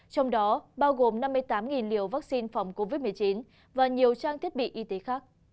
trong đó bao gồm năm mươi tám liều vaccine phòng covid một mươi chín và nhiều trang thiết bị y tế khác